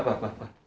pak pak pak